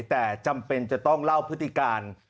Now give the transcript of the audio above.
แต่จำเป็นจะต้องเล่าพฤติการ